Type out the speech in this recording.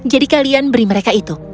jadi kalian beri mereka itu